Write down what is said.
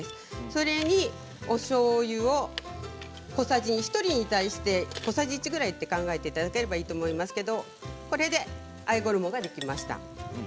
それにおしょうゆと小さじ１に対して小さじ１ぐらいと考えていただければいいと思いますけどこれであえ衣ができました。